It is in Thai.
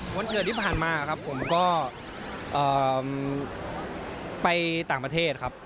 วันเกิดที่ผ่านมาครับผมก็ไปต่างประเทศครับ